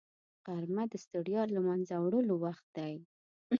غرمه د ستړیا له منځه وړلو وخت دی